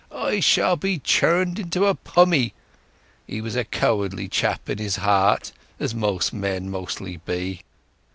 'I shall be churned into a pummy!' (He was a cowardly chap in his heart, as such men mostly be).